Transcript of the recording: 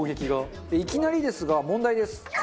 いきなりですが問題です。